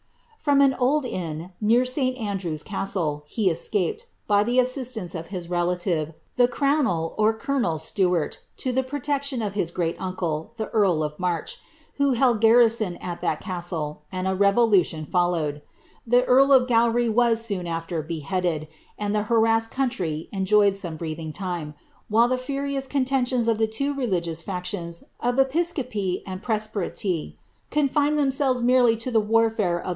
From an old inn, near St. Andrew's Castle, he escaped, by the assistance of his relative, the crowul or colonel Stu* art, to the protection of his great uncle, the earl of March, who held garrison at that castle; and a revolution followed. The earl of Gowrie was, soon after, beheaded, and the harassed country enjoyed soim: breathing time, while the furious contentions of the two religious factions of episcopacy and presbyteryj confined tlicmse\vea met^V} \o ^^ ^vdax^ roL, ru.